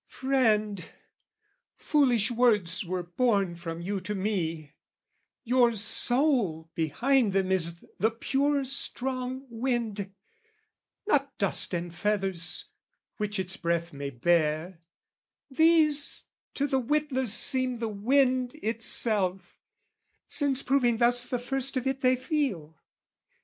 "Friend, foolish words were borne from you to me; "Your soul behind them is the pure strong wind, "Not dust and feathers which its breath may bear: "These to the witless seem the wind itself, "Since proving thus the first of it they feel.